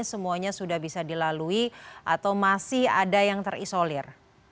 semuanya sudah bisa dilalui atau masih ada yang terisolir